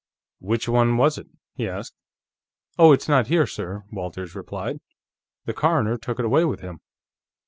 "Which one was it?" he asked. "Oh it's not here, sir," Walters replied. "The coroner took it away with him."